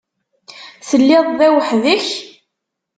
Telliḍ da weḥd-k?